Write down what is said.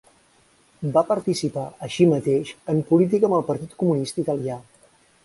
Va participar, així mateix, en política amb el Partit Comunista Italià.